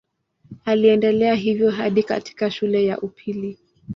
Aliendelea hivyo hadi katika shule ya upili.